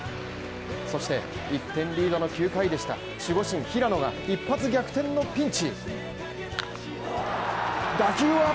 そして、１点リードの９回でした守護神平野が一発逆転のピンチ。